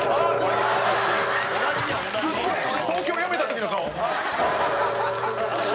川島：東京、やめた時の顔。